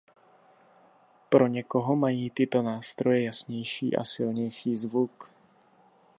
Pro někoho mají tyto nástroje jasnější a silnější zvuk.